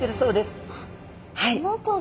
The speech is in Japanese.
はい。